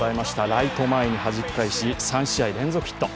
ライト前にはじき返し３試合連続ヒット。